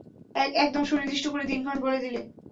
একদম সুনির্দিষ্ট করে দিনক্ষণ বলে দিলে!